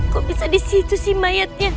kok bisa di situ sih mayatnya